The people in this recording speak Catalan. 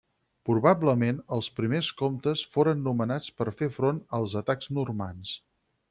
Probablement els primers comtes foren nomenats per fer front als atacs normands.